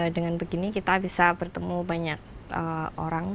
dengan begini kita bisa bertemu banyak orang